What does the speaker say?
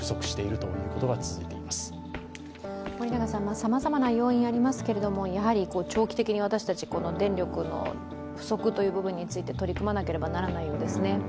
さまざまな要因がありますけれども、長期的に私たち、電力の不足という部分について取り組まなければならないようですね。